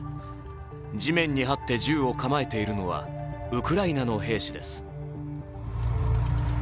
地面にはって銃を構えているのはウクライナの兵士です。